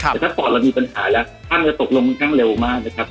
แต่ถ้าปอดเรามีปัญหาแล้วท่านจะตกลงค่อนข้างเร็วมากนะครับ